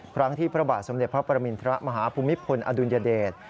พระที่พระบาทสมเด็จพระปรมินทรมาฮภูมิพลอดุลยเดช